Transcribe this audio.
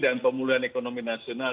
dan pemulihan ekonomi nasional